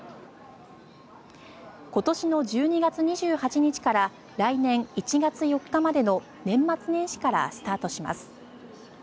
今年の１２月２８日から来年１月４日までの年末年始からスタートします。